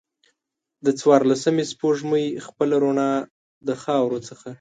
د څوارلسمې سپوږمۍ خپله روڼا د خاورو څخه